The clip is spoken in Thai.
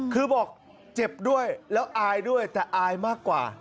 คือบอกเจ็บด้วยแล้วอายด้วยแต่อายมากกว่า